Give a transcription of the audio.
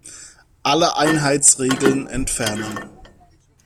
Alle Einheits-Regeln entfernen.